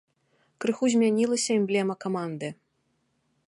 Крыху змянілася эмблема каманды.